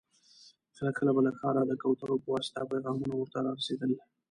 کله کله به له ښاره د کوترو په واسطه پيغامونه ور ته را رسېدل.